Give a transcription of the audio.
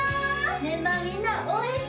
メンバーみんな応援してるよ！